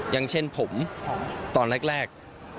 อย่างเช่นผมตอนแรก